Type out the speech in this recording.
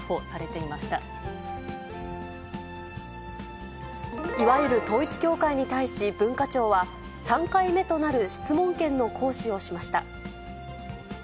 いわゆる統一教会に対し、文化庁は、３回目となる質問権の行使をしました。